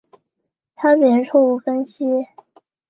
差别错误分析。